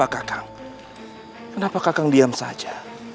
kenapa kakang diam saja